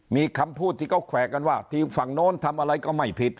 มีคำพูดที่เขาแขวะกันว่าทีมฝั่งโน้นทำอะไรก็ไม่ผิด